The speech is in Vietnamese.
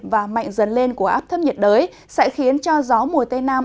và mạnh dần lên của áp thấp nhiệt đới sẽ khiến cho gió mùa tây nam